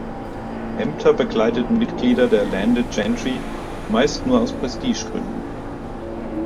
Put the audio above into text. Ämter bekleideten Mitglieder der Landed Gentry meist nur aus Prestigegründen.